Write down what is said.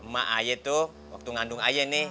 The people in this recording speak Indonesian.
mak aye tuh waktu ngandung ayah nih